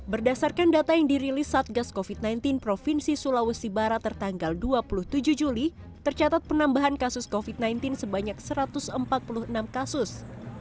berdasarkan data yang dirilis satgas covid sembilan belas provinsi sulawesi barat tertanggal dua puluh tujuh juli tercatat penambahan kasus covid sembilan belas sebanyak satu ratus empat puluh enam kasus